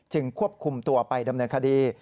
ควบคุมตัวไปดำเนินคดี